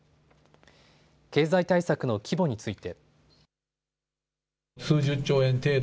経済対策の規模について。